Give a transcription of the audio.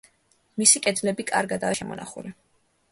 მისი კედლები კარგადაა შემონახული.